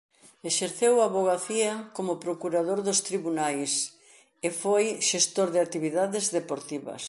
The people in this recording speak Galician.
Exerceu a avogacía como procurador dos Tribunais e foi xestor de actividades deportivas.